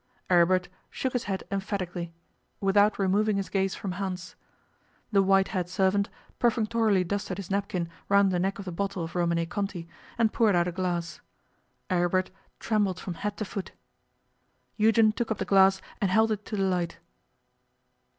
Aribert shook his head emphatically, without removing his gaze from Hans. The white haired servant perfunctorily dusted his napkin round the neck of the bottle of Romanée Conti, and poured out a glass. Aribert trembled from head to foot. Eugen took up the glass and held it to the light.